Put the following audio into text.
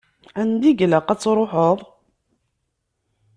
Anda i ilaq ad truḥeḍ?